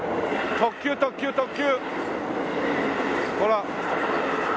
特急特急特急。